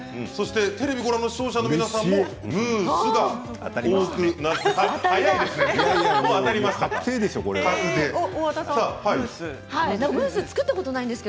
テレビをご覧の皆さんもムースが多くなっています。